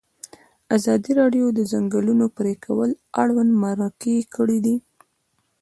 ازادي راډیو د د ځنګلونو پرېکول اړوند مرکې کړي.